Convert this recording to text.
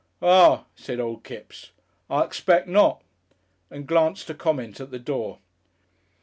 "Ah!" said old Kipps, "I expect not," and glanced a comment at the door.